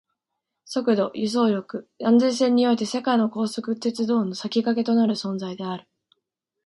速度、輸送力、安全性において世界の高速鉄道の先駆けとなる存在である